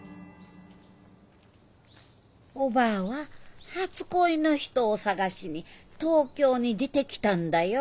おばぁは初恋の人を捜しに東京に出てきたんだよ。